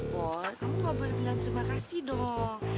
boy kamu nggak boleh bilang terima kasih dong